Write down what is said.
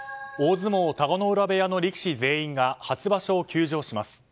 大相撲、田子ノ浦部屋の力士全員が初場所を休場します。